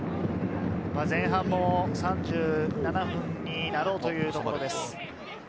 前半も３７分になろうというところです。